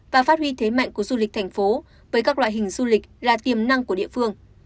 và phát huy thế mạnh của du lịch thành phố với các loại hình du lịch là tiềm năng của địa phương